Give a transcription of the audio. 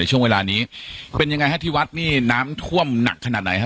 ช่วงเวลานี้เป็นยังไงฮะที่วัดนี่น้ำท่วมหนักขนาดไหนฮะ